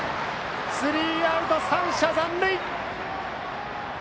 スリーアウト、３者残塁！